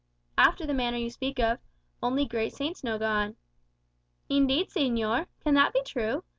"After the manner you speak of, only great saints know God." "Indeed, señor! Can that be true?